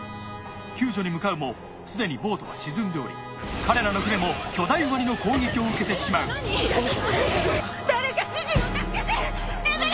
救助に向かうもすでにボートは沈んでおり彼らの船も巨大ワニの攻撃を受けてしまう誰か主人を助けて！